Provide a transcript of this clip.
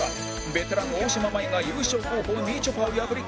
ベテラン大島麻衣が優勝候補みちょぱを破り決勝へ